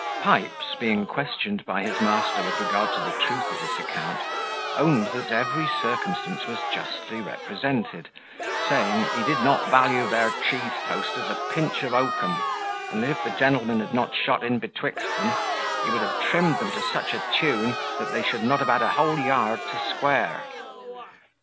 Pipes, being questioned by his master with regard to the truth of this account, owned that every circumstance was justly represented; saying, he did not value their cheese toasters a pinch of oakum; and that if the gentleman had not shot in betwixt them, he would have trimmed them to such a tune, that they should not have had a whole yard to square.